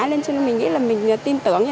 nên mình nghĩ là mình tiêm tưởng